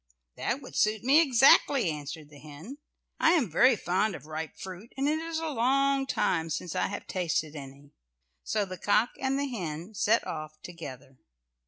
"That would suit me exactly," answered the hen. "I am very fond of ripe fruit, and it is a long time since I have tasted any." So the cock and hen set off together.